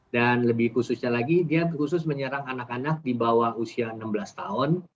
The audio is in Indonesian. dan lebih khususnya lagi dia khusus menyerang anak anak di bawah usia enam belas tahun